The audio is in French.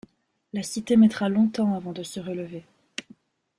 La cité mettra longtemps avant de se relever.